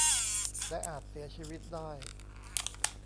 และอาจเสียชีวิตได้